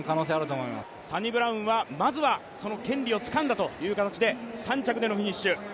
サニブラウンは、まずはその権利をつかんだという形で３着でのフィニッシュ。